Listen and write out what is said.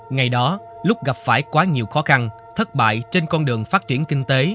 ngày đó lúc gặp phải quá nhiều khó khăn thất bại trên con đường phát triển kinh tế